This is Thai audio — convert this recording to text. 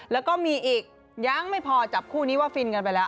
แล้วก็มีอีกยังไม่พอจับคู่นี้ว่าฟินกันไปแล้ว